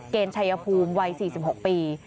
เกณฑ์ชายภูมิวัย๔๖ปี